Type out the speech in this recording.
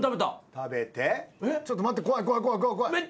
ちょっと待って怖い怖い怖い怖い怖い。